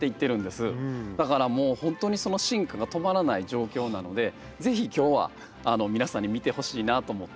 だからもうほんとにその進化が止まらない状況なので是非今日は皆さんに見てほしいなと思って。